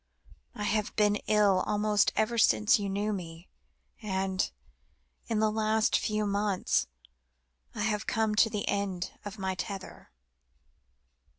I have been ill almost ever since you knew me, and in the last few months I have come to the end of my tether.